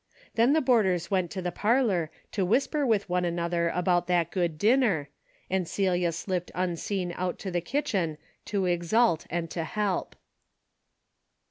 Then the boarders went into the parlor to whisper with one an other about that good dinner, and Celia slipped unseen out to the kitchen to exult and to help.